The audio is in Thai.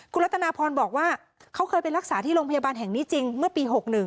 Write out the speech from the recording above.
คุณรัตนาพรบอกว่าเขาเคยไปรักษาที่โรงพยาบาลแห่งนี้จริงเมื่อปี๖๑